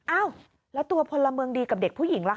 อ้าวแล้วตัวพลเมืองดีกับเด็กผู้หญิงล่ะค